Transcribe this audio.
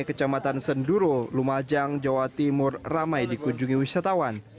kecamatan senduro lumajang jawa timur ramai dikunjungi wisatawan